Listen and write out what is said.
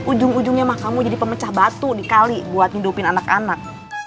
ujung ujungnya emang kamu jadi pemecah batu di kali buat nyudupin anak anak